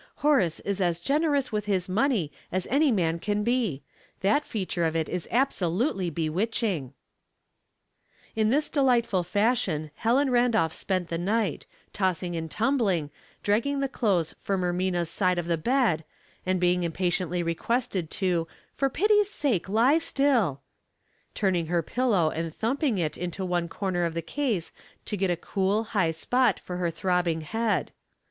Hor ace is as generous with his money as any man can be ; that feature of it is absolutely bewitch ing." r Weighty Matters in Small Scales. 145 In this delightful fashion Helen Randolph spent the night, tossing and tumbling, dragging the clothes from Eirnina's side of the bed, and being impatiently requested to "for pity's salce lie still," turning her pillow and thumping it into one corner of the case to get a cool, high spot for her throbbing head.